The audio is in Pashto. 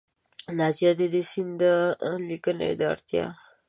نیازي د دې سیند د لیکنې د اړتیا